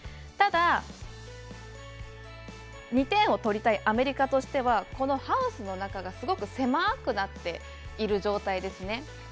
ただ、２点を取りたいアメリカとしてはこのハウスの中がすごく狭くなっている状態ですね。